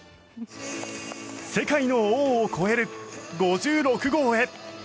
世界の王を超える５６号へ。